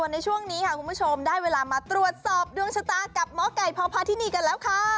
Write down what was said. ในช่วงนี้ค่ะคุณผู้ชมได้เวลามาตรวจสอบดวงชะตากับหมอไก่พพาธินีกันแล้วค่ะ